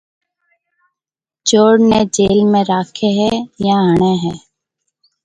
چور نَي جيل ۾ راکيَ هيَ يان هڻيَ هيَ۔